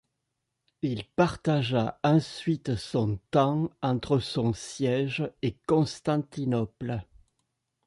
Il partagea ensuite son temps entre son siège et Constantinople.